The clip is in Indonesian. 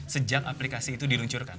sejak aplikasi itu diluncurkan